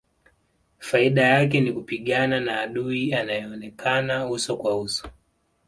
Faida yake ni kupigana na adui anayeonekana uso kwa uso